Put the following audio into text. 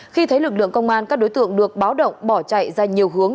khi thấy lực lượng công an các đối tượng được báo động bỏ chạy ra nhiều hướng